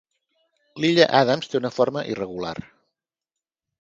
L'illa Adams té una forma irregular.